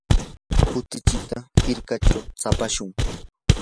kutichita hirkachaw tsapashun.